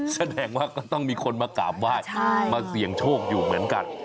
แสดงว่าก็ต้องมีคนมากราบไหว้มาเสี่ยงโชคอยู่เหมือนกัน